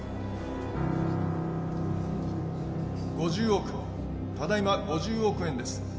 ５０億５０億ただいま５０億円です